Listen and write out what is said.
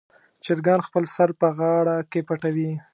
چرګان خپل سر په غاړه کې پټوي.